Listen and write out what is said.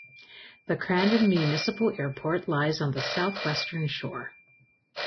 The Crandon Municipal Airport lies on the southwestern shore.